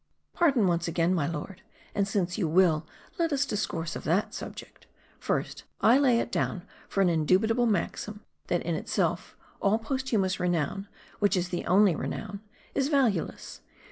" Pardon, once again, my lord. And since you will, let us discourse of that subject. First, I lay it down for an indubitable maxim, that in itself all posthumous renown, which is the only renown, is valueless.